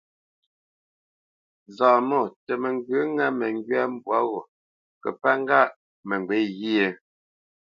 Zaamɔ̂ tə mə́ ŋgyə̌ ŋá məŋgywá mbwǎ ŋo kə́ pə́ŋgâʼ mə ŋgywě ghyê ?